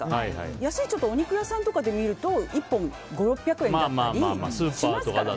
安いお肉屋さんとかで見ると１本５００６００円だったりしますからね。